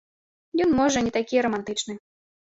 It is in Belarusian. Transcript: Ён можа не такі рамантычны.